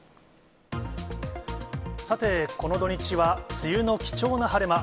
さて、この土日は、梅雨の貴重な晴れ間。